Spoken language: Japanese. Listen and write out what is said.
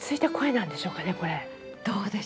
どうでしょうね。